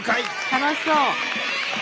楽しそう！